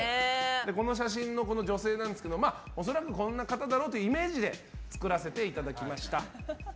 この写真のこの女性なんですけど恐らく、こんな方だろうというイメージで作らせていただきました。